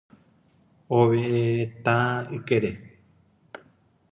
ovetã ykére